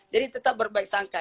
jadi tetap berbaik sangka